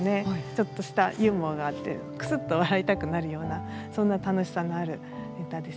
ちょっとしたユーモアがあってクスッと笑いたくなるようなそんな楽しさのある歌ですね。